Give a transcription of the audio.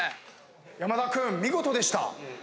山田君見事でした。